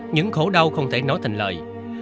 những khổ đau không thể nói thành lời